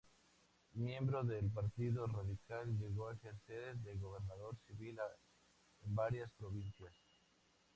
Miembro del Partido radical, llegó a ejercer de gobernador civil en varias provincias.